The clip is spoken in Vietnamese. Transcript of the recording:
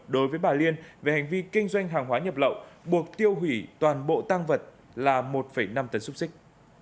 đối với bà liên về hành vi kinh doanh hàng hóa nhập lậu buộc tiêu hủy toàn bộ tăng vật là một năm tấn xúc xích